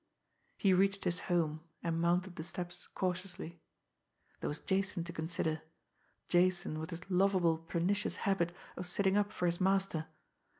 He reached his home, and mounted the steps cautiously. There was Jason to consider Jason with his lovable pernicious habit of sitting up for his master.